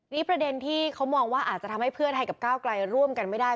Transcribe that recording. นี่ประเด็นที่เขามองว่าอาจจะทำให้เพื่อไทยกับก้าวไกลร่วมกันไม่ได้